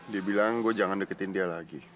dia bilang gue jangan deketin dia lagi